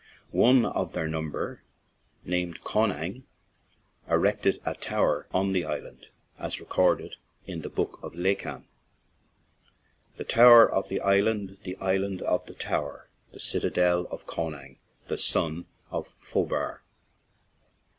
One of their number, named Conaing, erected a tower on the island, as recorded in the Book of Lecan: " The Tower of the Island, the Island of the Tower, The citadel of Conaing, the son of Foebar."